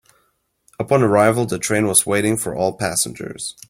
Upon arrival, the train was waiting for all passengers.